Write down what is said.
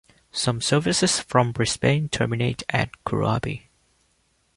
Some services from Brisbane terminate at Kuraby.